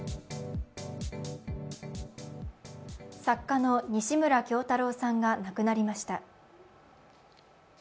作家の西村京太郎さんが亡くなりました。